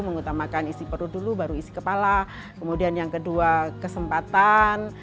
mengutamakan isi perut dulu baru isi kepala kemudian yang kedua kesempatan